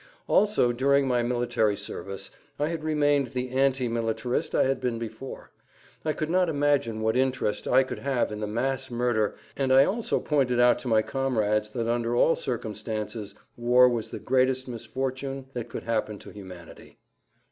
Also during my military service I had remained the anti militarist I had been before. I could not imagine what interest I could have in the mass murder, and I also pointed out to my comrades that under all circumstances war was the greatest misfortune that could happen to humanity.